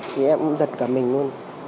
thì em giật cả mình luôn